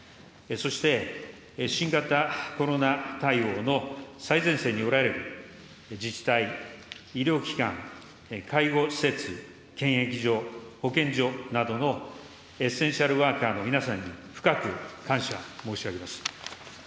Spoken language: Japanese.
そして、新型コロナ対応の最前線におられる自治体、医療機関、介護施設、検疫所、保健所などのエッセンシャルワーカーの皆さんに、深く感謝申し上げます。